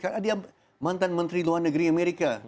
karena dia mantan menteri luar negeri amerika